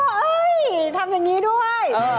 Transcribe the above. ทำท่าเราก็ทำอย่างนี้ด้วย